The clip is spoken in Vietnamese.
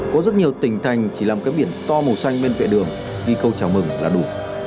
có rất nhiều tỉnh thành chỉ làm cái biển to màu xanh bên vệ đường vì câu chào mừng là đủ